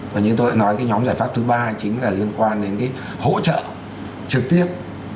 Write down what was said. và như tôi đã nói cái nhóm giải pháp thứ ba chính là liên quan đến cái hỗ trợ trực tiếp